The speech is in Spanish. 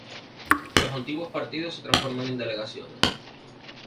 Los antiguos partidos se transforman en delegaciones.